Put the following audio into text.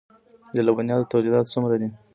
د لبنیاتو تولیدات څومره دي؟